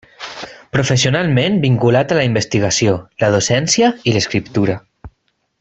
Professionalment vinculat a la investigació, la docència i l'escriptura.